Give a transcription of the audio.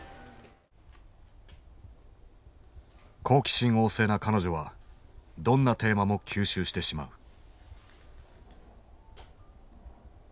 好奇心旺盛な彼女はどんなテーマも吸収してしまう。